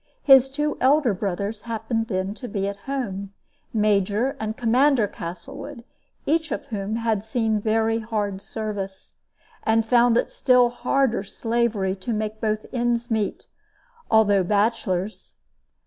His two elder brothers happened then to be at home, Major and Commander Castlewood, each of whom had seen very hard service, and found it still harder slavery to make both ends meet, although bachelors.